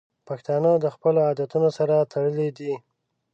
پښتانه د خپلو عادتونو سره تړلي دي.